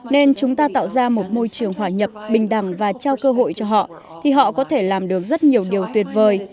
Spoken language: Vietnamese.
nên chúng ta tạo ra một môi trường hòa nhập bình đẳng và trao cơ hội cho họ thì họ có thể làm được rất nhiều điều tuyệt vời